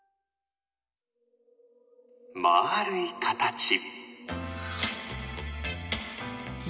まるいかたち。